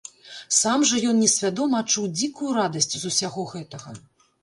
Сам жа ён несвядома адчуў дзікую радасць з усяго гэтага.